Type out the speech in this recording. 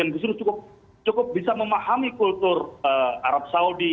justru cukup bisa memahami kultur arab saudi